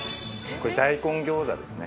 これ大根餃子ですね。